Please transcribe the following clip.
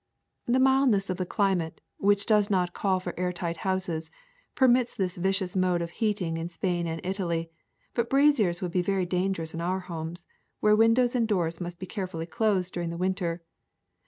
The mildness of the climate, which does not call for air tight houses, permits this vicious mode of heating in Spain and Italy; but braziers would be very dangerous in our homes, where windows and doors must be carefully closed during the winter.